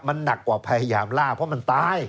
มันหนักกว่าพยายามล่าเพราะมันตาย